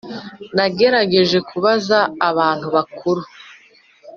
Nagerageje kubaza abantu bakuru